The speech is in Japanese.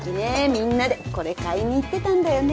みんなでこれ買いに行ってたんだよね。